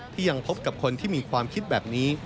ที่ยังพบกับคนที่มีความคิดแบบนี้